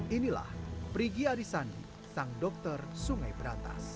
inilah prigi arisandi sang dokter sungai berantas